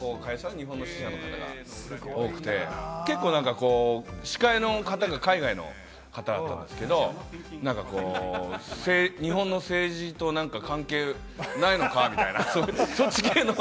海外の会社の日本の支社の方が多くて結構なんか、司会の方が海外の方だったんですけれど、日本の政治となんか関係ないのかみたいな、そっち系の。